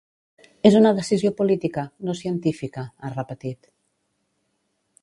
És una decisió política, no científica, ha repetit.